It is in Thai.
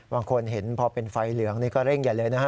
บางคนเห็นพอเป็นไฟเหลืองนี่ก็เร่งใหญ่เลยนะฮะ